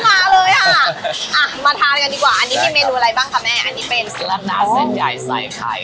มาทานกันดีกว่าอันนี้มีเมนูอะไรบ้างค่ะแม่อันนี้เป็นสลัดดาเซ็นไยไซค์ไทย